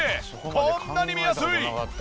こんなに見やすい！